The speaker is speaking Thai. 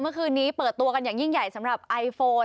เมื่อคืนนี้เปิดตัวกันอย่างยิ่งใหญ่สำหรับไอโฟน